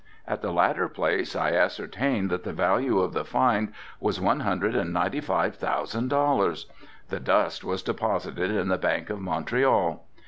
At the latter place I ascertained that the value of the find was one hundred and ninety five thousand dollars. The dust was deposited in the Bank of Montreal.